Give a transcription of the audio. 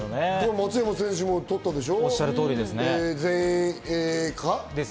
松山選手も取ったでしょ。